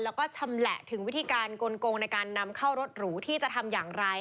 แล้วก็ชำแหละถึงวิธีการกลงในการนำเข้ารถหรูที่จะทำอย่างไร